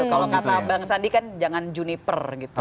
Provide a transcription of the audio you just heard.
kalau kata bang sandi kan jangan juniper gitu